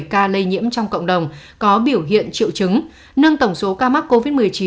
một ba trăm ba mươi bảy ca lây nhiễm trong cộng đồng có biểu hiện triệu chứng nâng tổng số ca mắc covid một mươi chín